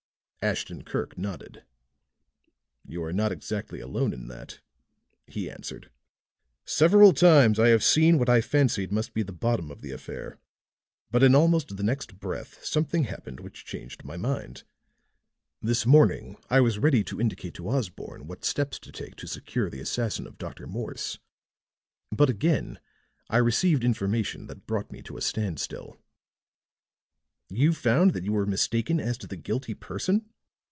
Ashton Kirk nodded. "You are not exactly alone in that," he answered. "Several times I have seen what I fancied must be the bottom of the affair; but in almost the next breath, something happened which changed my mind. This morning I was ready to indicate to Osborne what steps to take to secure the assassin of Dr. Morse; but again I received information that brought me to a standstill." "You found that you were mistaken as to the guilty person?"